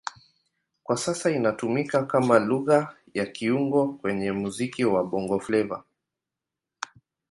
Kwa sasa inatumika kama Lugha ya kiungo kwenye muziki wa Bongo Flava.